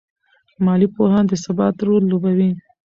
مالي پوهان د ثبات رول لوبوي.